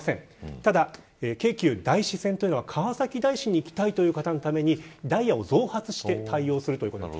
ただ、京急大師線は川崎大師に行きたい方のためにダイヤを増発して対応するということです。